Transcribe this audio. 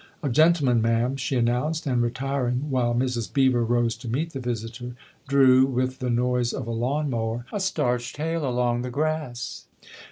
" A gentleman, ma'am," she announced ; and, retiring while Mrs. Beever rose to meet the visitor, drew, with the noise of a lawn mower, a starched tail along the grass.